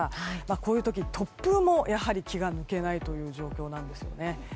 こういう時、突風も気が抜けない状況なんですね。